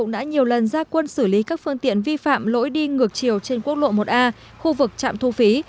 đã nhiều lần ra quân xử lý các phương tiện vi phạm lỗi đi ngược chiều trên quốc lộ một a khu vực trạm thu phí